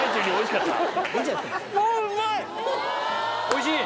おいしい？